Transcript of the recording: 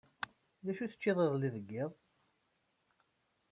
D acu teččiḍ iḍelli ɣer yiḍ?